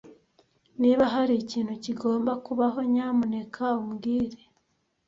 Niba hari ikintu kigomba kubaho, nyamuneka umbwire.